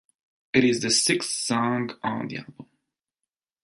It is the sixth song on the album.